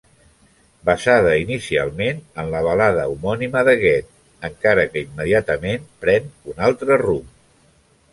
Basada inicialment en la balada homònima de Goethe, encara que immediatament pren un altre rumb.